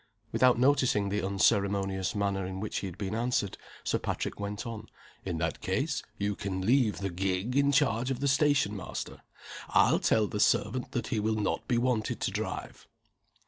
Without noticing the unceremonious manner in which he had been answered, Sir Patrick went on: "In that case, you can leave the gig in charge of the station master. I'll tell the servant that he will not be wanted to drive."